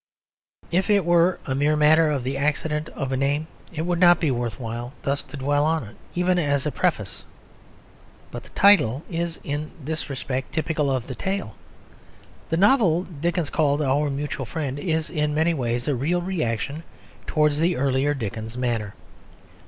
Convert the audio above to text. If it were a mere matter of the accident of a name it would not be worth while thus to dwell on it, even as a preface. But the title is in this respect typical of the tale. The novel called Our Mutual Friend is in many ways a real reaction towards the earlier Dickens manner.